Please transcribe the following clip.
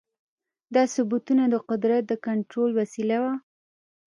دا ثبتونه د قدرت د کنټرول وسیله وه.